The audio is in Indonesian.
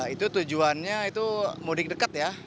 itu tujuannya itu mudik dekat ya